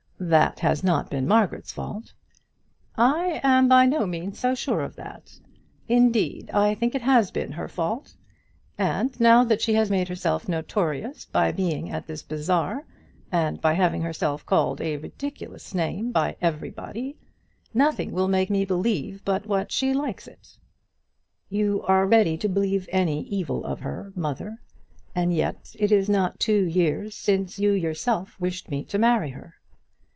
"That has not been Margaret's fault." "I am by no means so sure of that. Indeed, I think it has been her fault; and now she has made herself notorious by being at this bazaar, and by having herself called a ridiculous name by everybody. Nothing will make me believe but what she likes it." "You are ready to believe any evil of her, mother; and yet it is not two years since you yourself wished me to marry her."